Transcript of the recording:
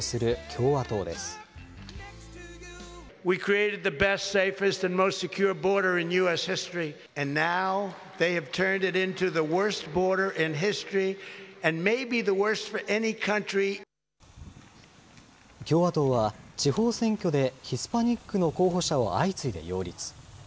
共和党は、地方選挙でヒスパニックの候補者を相次いで擁立。